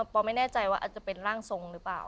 ปอไม่แน่ใจว่าอาจจะเป็นร่างทรงหรือเปล่า